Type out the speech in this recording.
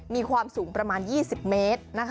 มีความสูงประมาณ๒๐เมตร